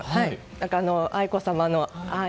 愛子さまの、あ！